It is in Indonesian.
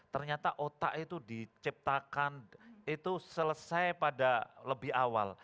ternyata otak itu diciptakan itu selesai pada lebih awal